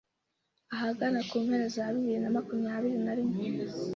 ahagana ku mpera za bibiri na makumyabiri narimwe